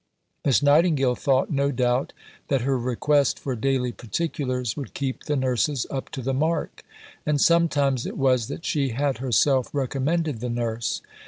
Miss Nightingale thought, no doubt, that her request for daily particulars would keep the nurses up to the mark; and sometimes it was that she had herself recommended the nurse.